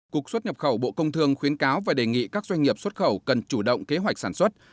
cục xuất nhập khẩu bộ công thương khuyến cáo và đề nghị các doanh nghiệp xuất khẩu cần chủ động kế hoạch sản xuất